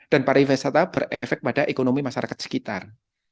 dan pariwisata berefek pada ekonomi masyarakat sekitar